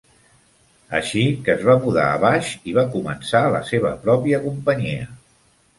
Així que es va mudar a baix i va començar la seva pròpia companyia...